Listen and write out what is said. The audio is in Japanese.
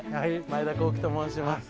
前田航基と申します。